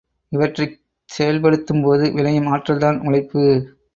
இவற்தைக் செயல்படுத்தும்போது விளையும் ஆற்றல்தான் உழைப்பு.